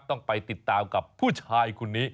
ต้องไปติดตามกับผู้ชายคนนี้